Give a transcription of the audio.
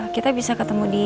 kita bisa ketemu di